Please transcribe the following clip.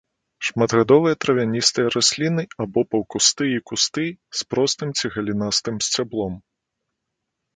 Шматгадовыя травяністыя расліны або паўкусты і кусты з простым ці галінастым сцяблом.